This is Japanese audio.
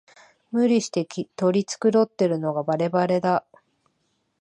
無理して取り繕ってるのがバレバレだ